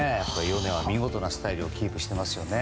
見事なスタイルをキープしていますよね。